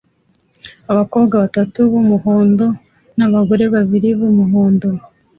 Abakobwa batatu b'umuhondo n'abagore babiri b'umuhondo